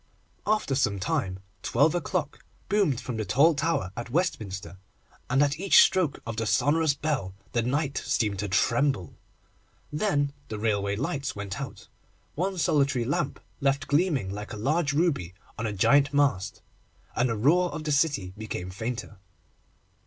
After some time, twelve o'clock boomed from the tall tower at Westminster, and at each stroke of the sonorous bell the night seemed to tremble. Then the railway lights went out, one solitary lamp left gleaming like a large ruby on a giant mast, and the roar of the city became fainter.